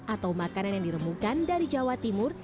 atau makanan yang diremukan dari jawa timur